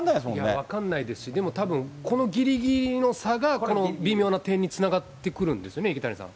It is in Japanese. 分かんないですし、でも、たぶん、このぎりぎりの差が、この微妙な点につながってくるんですよね、池谷さん。